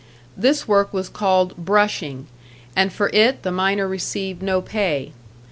This work was called "brushing," and for it the miner received no pay.